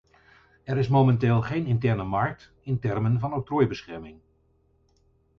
Er is momenteel geen interne markt in termen van octrooibescherming.